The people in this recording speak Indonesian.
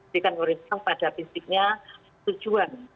dikenal pada titiknya tujuan